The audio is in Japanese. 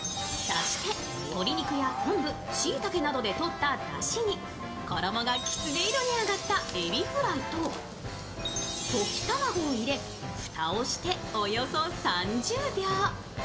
そして、鶏肉や昆布、しいたけなどでとっただしに、衣がきつね色に揚がったえびフライと、溶き卵を入れ蓋をしておよそ３０秒。